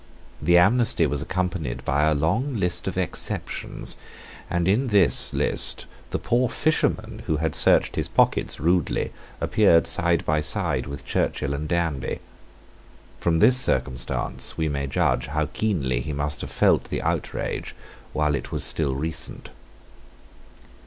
The amnesty was accompanied by a long list of exceptions; and in this list the poor fishermen who had searched his pockets rudely appeared side by side with Churchill and Danby. From this circumstance we may judge how keenly he must have felt the outrage while it was still recent.